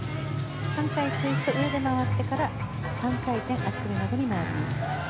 ３回ツイスト、上で回ってから３回転、回ります。